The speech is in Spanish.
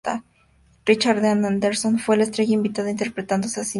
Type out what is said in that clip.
Richard Dean Anderson fue la estrella invitada, interpretándose a sí mismo.